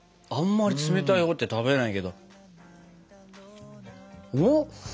あんまり冷たいのって食べないけど。